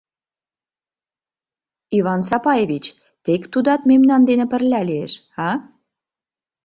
— Иван Сапаевич, тек тудат мемнан дене пырля лиеш, а?